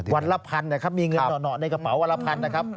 วันละพันนะครับมีเงินหน่อในกระเป๋าวันละพันนะครับ